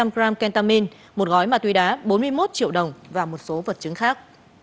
hai trăm linh g kentamin một gói mạ tuy đá bốn mươi một triệu đồng và một số vật chứng khác